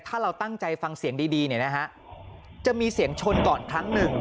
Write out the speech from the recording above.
ถ้าเราตั้งใจฟังเสียงดีเนี่ยนะฮะจะมีเสียงชนก่อนครั้งหนึ่ง